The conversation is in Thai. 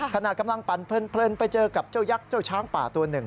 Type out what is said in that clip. ขณะกำลังปั่นเพลินไปเจอกับเจ้ายักษ์เจ้าช้างป่าตัวหนึ่ง